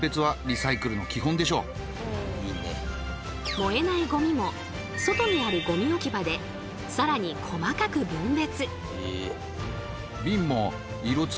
燃えないゴミも外にあるゴミ置き場で更にこまかく分別。